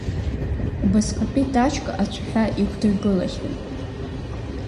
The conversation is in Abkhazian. Убасҟатәи тачка ацәаҳәа иқәдыргылахьан.